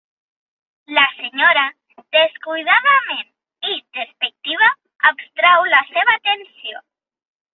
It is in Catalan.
La senyora, descuidadament i despectiva, abstrau la seva atenció.